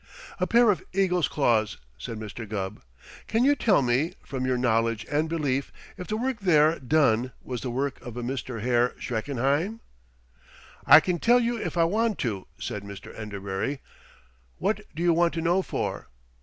"A pair of eagle's claws," said Mr. Gubb. "Can you tell me, from your knowledge and belief, if the work there done was the work of a Mr. Herr Schreckenheim?" "I can tell you if I want to," said Mr. Enderbury. "What do you want to know for?"